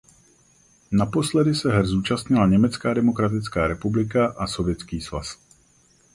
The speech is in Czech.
Naposledy se her zúčastnila Německá demokratická republika a Sovětský svaz.